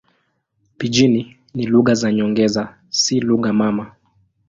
Pijini ni lugha za nyongeza, si lugha mama.